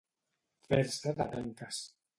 Fer-se de penques.